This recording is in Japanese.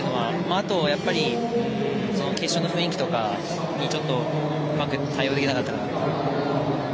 あと、決勝の雰囲気とかにうまく対応できなかったかなと。